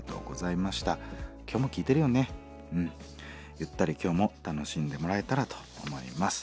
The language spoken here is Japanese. ゆったり今日も楽しんでもらえたらと思います。